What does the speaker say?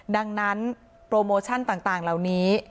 ดังนั้นโปรโมชั่นต่างเหล่านี้